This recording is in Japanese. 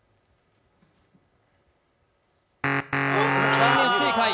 残念、不正解。